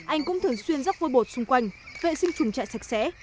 anh cũng thường xuyên dắt vôi bột xung quanh vệ sinh chùm chạy sạch sẽ